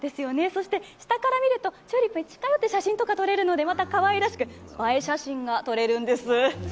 そして下から見ると、チューリップに近寄って写真が撮れるのでまたかわいらしく、映え写真が撮れるんです。